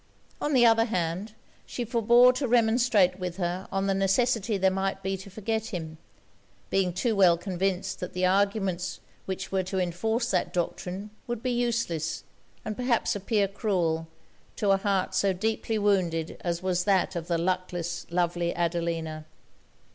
On the other hand, she forbore to remonstrate with her on the necessity there might be to forget him; being too well convinced that the arguments which were to enforce that doctrine, would be useless, and perhaps appear cruel, to a heart so deeply wounded as was that of the luckless, lovely Adelina.